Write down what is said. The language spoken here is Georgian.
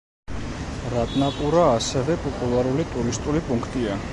რატნაპურა, ასევე, პოპულარული ტურისტული პუნქტია.